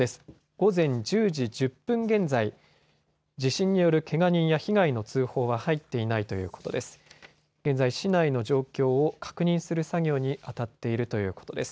午前１０時１０分現在、地震によるけが人や被害の通報は入っていないということです。